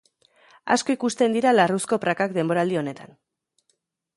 Asko ikusten dira larruzko prakak denboraldi honetan.